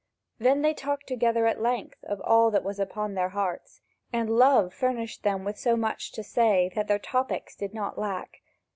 Then they talked together at length of all that was upon their hearts, and love furnished them with so much to say that topics did not lack.